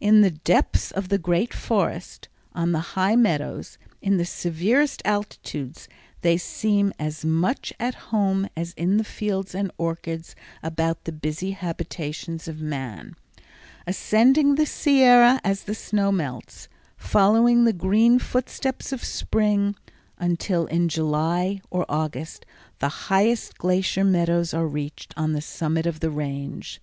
In the depths of the great forests, on the high meadows, in the severest altitudes, they seem as much at home as in the fields and orchards about the busy habitations of man, ascending the Sierra as the snow melts, following the green footsteps of Spring, until in July or August the highest glacier meadows are reached on the summit of the Range.